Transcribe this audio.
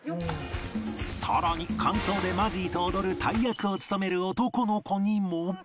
さらに間奏でマジーと踊る大役を務める男の子にも